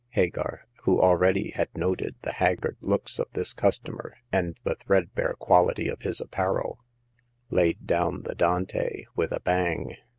Hagar, who already had noted the haggard looks of this customer, and the threadbare quality of his apparel, laid down the Dante with a bang.